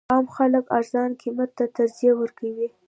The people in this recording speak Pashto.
عام خلک ارزان قیمت ته ترجیح ورکوي.